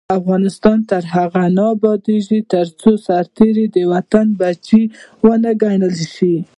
افغانستان تر هغو نه ابادیږي، ترڅو سرتیری د وطن بچی ونه ګڼل شي.